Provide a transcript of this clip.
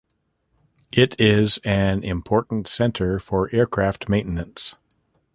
It is an important centre for aircraft maintenance.